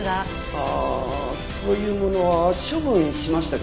ああそういうものは処分しましたけど。